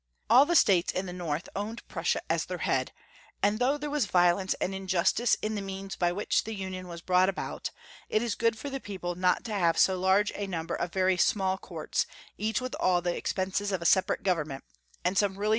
All the states in the north owned Prussia as their head, and though there was violence and injustice in the means by which the luiion was brought about, it is good for tlie people not to have so large a number of very small coiu'ts, each with all the expenses of a separate government, and some really 468 Young Folks^ History of G ermany.